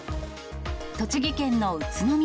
栃木県の宇都宮。